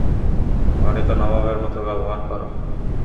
ঘরে তো নবাবের মতো ব্যবহার করো!